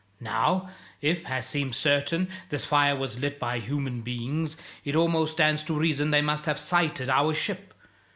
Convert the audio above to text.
Now, if, as seems certain, this fire was lit by human beings, it almost stands to reason they must have sighted our ship.